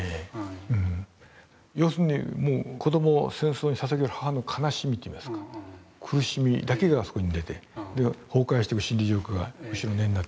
要するに子どもを戦争にささげる母の悲しみといいますか苦しみだけがあそこに出て崩壊していく心理状況が後ろ。